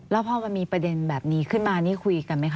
แล้วพอมันมีประเด็นแบบนี้ขึ้นมานี่คุยกันไหมคะ